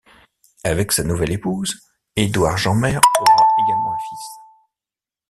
Avec sa nouvelle épouse, Edouard Jeanmaire aura également un fils.